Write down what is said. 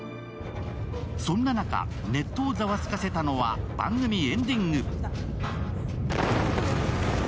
そんな中、ネットをざわつかせたのは番組エンディング。